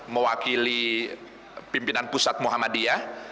mewakili pimpinan pusat muhammadiyah